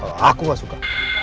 kalau aku gak suka